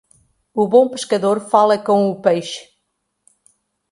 O bom pescador fala com o peixe.